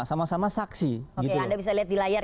sama sama saksi oke anda bisa lihat di layar